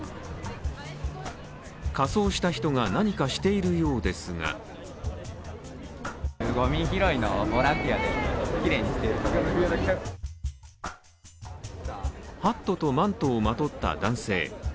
仮装した人が、何かしているようですがハットとマントをまとった男性。